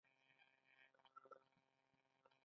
خاک سفید ولسوالۍ دښتې لري؟